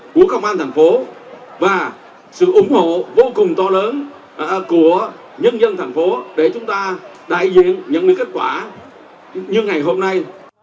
của công an thành phố và sự ủng hộ vô cùng to lớn của nhân dân thành phố để chúng ta đại diện nhận được kết quả như ngày hôm nay